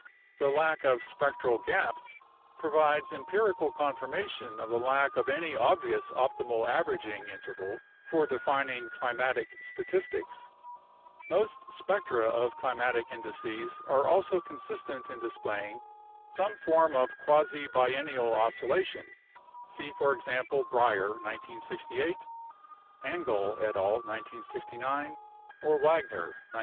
The lack of spectral "gaps" provides empirical confirmation of the lack of any obvious optimal averaging in terval for defining climatic statistics. Most spectra of climatic indices are also consistent in displaying some form of quasi biennial oscillation (see, for example, Brier, 1968; Angell et al., 1969; or Wagner, 1971).